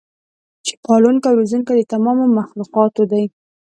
چې پالونکی او روزونکی د تمامو مخلوقاتو دی